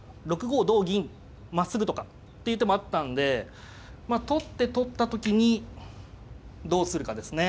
同銀まっすぐとかっていう手もあったんで取って取った時にどうするかですね。